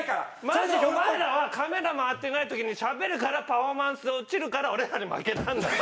マジでお前らはカメラ回ってない時にしゃべるからパフォーマンス落ちるから俺らに負けたんだよ！